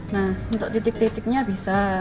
nah untuk titik titiknya bisa